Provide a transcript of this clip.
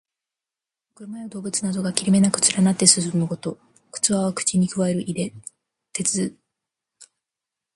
車や動物などが切れ目なく連なって進むこと。「銜」は口にくわえる意で、「銜尾」は前を行く馬の尾をあとの馬がくわえること。「相随」はつきしたがって進む意。「銜尾相随う」とも読む。